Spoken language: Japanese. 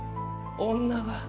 女が。